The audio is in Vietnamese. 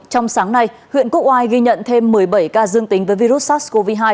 trong sáng nay huyện quốc oai ghi nhận thêm một mươi bảy ca dương tính với virus sars cov hai